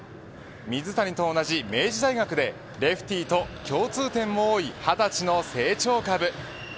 水谷と同じ明治大学でレフティーと、共通点も多い２０歳の成長株。